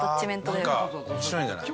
なんか面白いんじゃない？